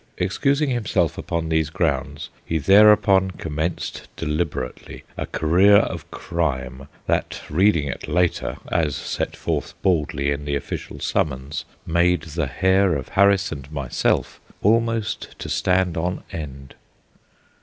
Excusing himself upon these grounds, he thereupon commenced deliberately a career of crime that, reading it later, as set forth baldly in the official summons, made the hair of Harris and myself almost to stand on end.